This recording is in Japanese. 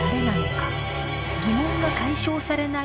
疑問が解消されない